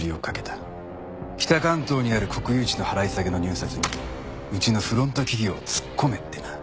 北関東にある国有地の払い下げの入札にうちのフロント企業を突っ込めってな。